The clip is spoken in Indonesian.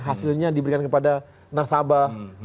akhirnya diberikan kepada nasabah